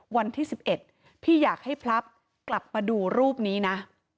วันที่๑๑พี่อยากให้พลับกลับมาดูรูปนี้นะ